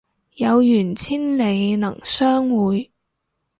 有緣千里能相會